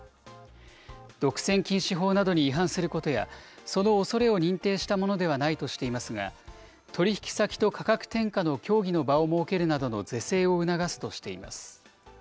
独占禁止法などに違反することや、そのおそれを認定したものではないとしていますが、取り引き先と価格転嫁の協議の場を設けるなどの是正を促すとしています。